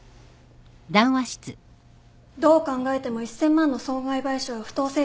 どう考えても１，０００万の損害賠償は不当請求。